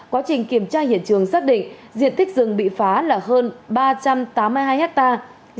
quá trình kiểm tra hiện trường xác định diện tích rừng bị phá là hơn ba trăm tám mươi hai hectare